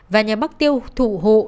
và nhờ bác tiêu thụ hộ